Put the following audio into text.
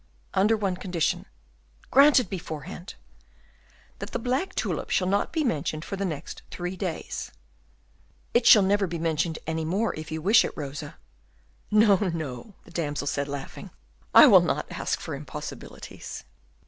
"Under one condition." "Granted beforehand!" "That the black tulip shall not be mentioned for the next three days." "It shall never be mentioned any more, if you wish it, Rosa." "No, no," the damsel said, laughing, "I will not ask for impossibilities."